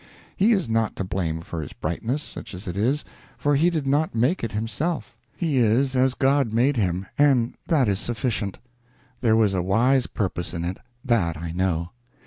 He is not to blame for his brightness, such as it is, for he did not make it himself; he is as God made him, and that is sufficient. There was a wise purpose in it, _that _I know.